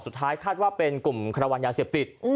สุดท้ายคาดว่าเป็นกลุ่มฆวรรณยาเสียบติด